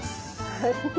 はい。